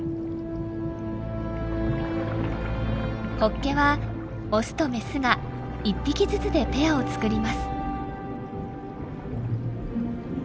ホッケはオスとメスが１匹ずつでペアを作ります。